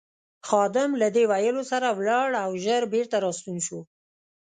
خادم له دې ویلو سره ولاړ او ژر بېرته راستون شو.